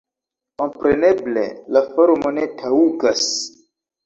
Kompreneble la forno ne taŭgas.